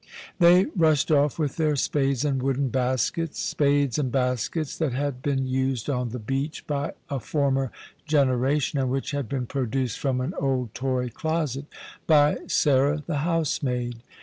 They ruslied off with their spades and wooden baskets — spades and baskets that had been used on the beach by a former generation, and which had been produced from an old toy closet by Sarah, the housemaid.